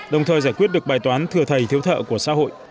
đồng thời giải quyết được bài toán thừa thầy thiếu thợ của xã hội